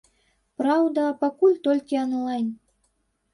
Праўда, пакуль толькі анлайн.